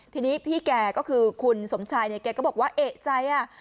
ทีนี้พี่แกก็คือคุณสมชายเนี่ยแกก็บอกว่าเอกใจอ่ะ